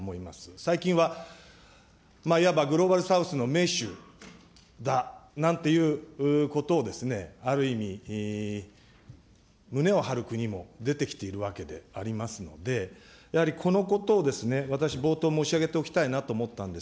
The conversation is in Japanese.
最近はいわばグローバル・サウスの盟主だなんということをある意味、胸を張る国も出てきているわけでありますので、やはりこのことを私、冒頭申し上げておきたいなと思ったんです。